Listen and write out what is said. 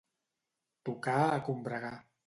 Tocar a combregar.